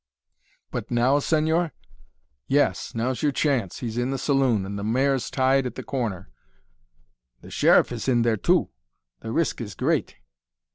"But now, señor?" "Yes; now's your chance. He's in the saloon, and the mare's tied at the corner." "The Sheriff is in there, too. The risk is great."